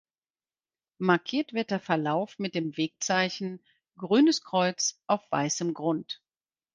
Markiert wird der Verlauf mit dem Wegzeichen „grünes Kreuz auf weißem Grund“.